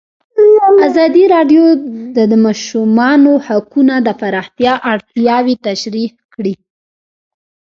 ازادي راډیو د د ماشومانو حقونه د پراختیا اړتیاوې تشریح کړي.